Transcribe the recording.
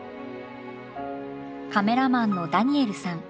カメラマンのダニエルさん。